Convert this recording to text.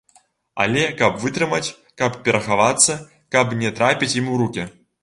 Але каб вытрымаць, каб перахавацца, каб не трапіць ім у рукі!